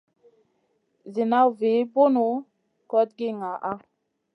Ziina vu Bun kogndi ngaana.